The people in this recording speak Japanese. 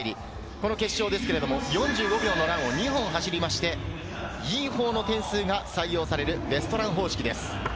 この決勝ですが、４５秒のランを２本走りまして、良い方の点数が採用されるベストラン方式です。